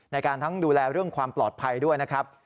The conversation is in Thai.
ในการทั้งดูแลเรื่องความปลอดภัยด้วยนะครับ